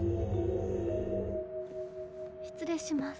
失礼します。